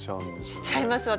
しちゃいます私も。